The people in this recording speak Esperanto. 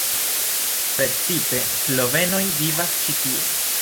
Precipe slovenoj vivas ĉi tie.